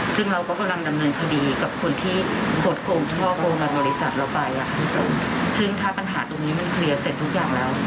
ซึ่งถ้าปัญหาตรงนี้มันเคลียร์เสร็จทุกอย่างแล้ว